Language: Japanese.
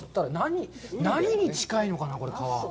何に近いのかな、皮。